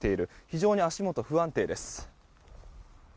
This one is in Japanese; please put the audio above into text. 非常に足元は不安定です。